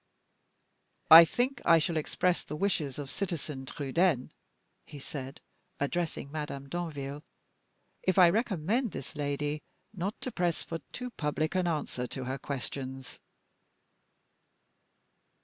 "I think I shall express the wishes of Citizen Trudaine," he said, addressing Madame Danville, "if I recommend this lady not to press for too public an answer to her questions."